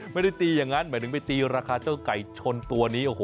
ไม่ได้ตีอย่างนั้นหมายถึงไปตีราคาเจ้าไก่ชนตัวนี้โอ้โห